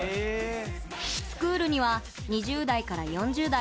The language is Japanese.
スクールには２０代から４０代